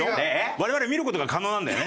我々見る事が可能なんだよね？